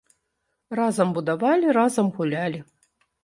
Разам будавалі, разам гулялі.